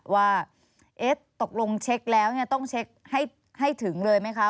ว่าตกลงเช็คแล้วต้องเช็คให้ถึงเลยไหมคะ